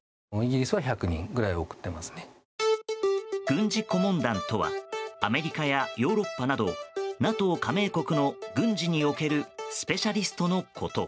軍事顧問団とはアメリカやヨーロッパなどＮＡＴＯ加盟国の軍事におけるスペシャリストのこと。